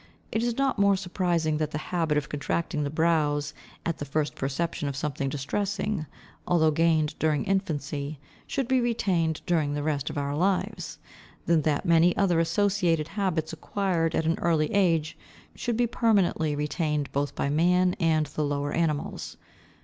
It is not more surprising that the habit of contracting the brows at the first perception of something distressing, although gained during infancy, should be retained during the rest of our lives, than that many other associated habits acquired at an early age should be permanently retained both by man and the lower animals.